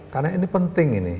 karena ini penting ini